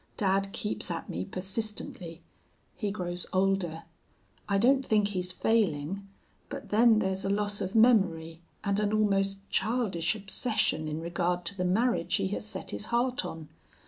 Dad keeps at me persistently. He grows older. I don't think he's failing, but then there's a loss of memory, and an almost childish obsession in regard to the marriage he has set his heart on.